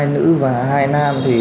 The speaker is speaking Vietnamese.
hai nữ và hai nam